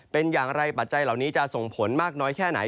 เป็นอย่างไรปัจจัยเหล่านี้จะส่งผลมากน้อยแค่ไหน